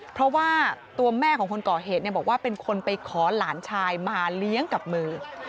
เพราะว่าตัวแม่ของคนก่อเหตุบอกว่าเป็นคนไปขอหลานชายมาเลี้ยงกับมือ